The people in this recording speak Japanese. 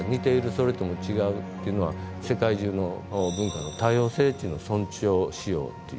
それとも違う？」っていうのは世界中の文化の多様性っていうのを尊重しようっていう。